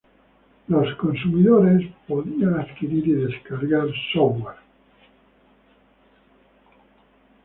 Los consumidores podían adquirir y descargar software compatible con Microsoft Windows.